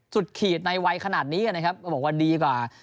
ขีดในวัยขนาดนี้นะครับก็บอกว่าดีกว่า